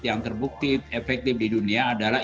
yang terbukti efektif di dunia adalah